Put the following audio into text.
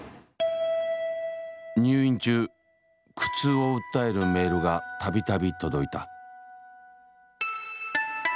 入院中苦痛を訴えるメールが度々届いた。